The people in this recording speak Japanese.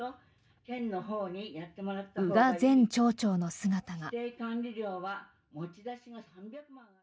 宇賀前町長の姿が。